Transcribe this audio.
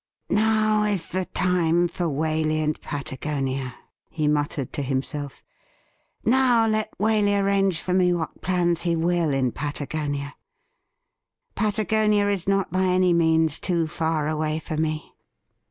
' Now is the time for Waley and Patagonia,' he muttered to himself. ' Now let Waley arrange for me what plans he will in Patagonia. Patagonia is not by any means too far away for me.